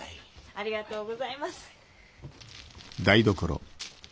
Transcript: ありがとうございます。